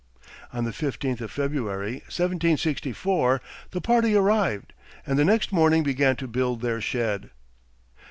On the fifteenth of February, 1764, the party arrived, and the next morning began to build their shed.